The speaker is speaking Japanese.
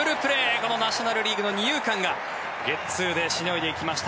このナショナル・リーグの二遊間がゲッツーでしのいでいきました。